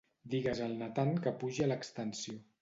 Digues al Natan que pugi a l'extensió.